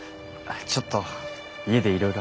ちょっと家でいろいろあって。